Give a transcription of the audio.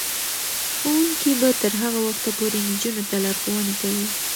ښوونکې به تر هغه وخته پورې نجونو ته لارښوونې کوي.